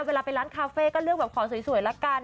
เวลาไปร้านคาเฟ่ก็เลือกแบบขอสวยละกัน